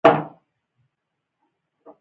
اصلاحات ولې وخت نیسي؟